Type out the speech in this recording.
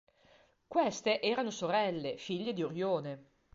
Queste erano sorelle, figlie di Orione.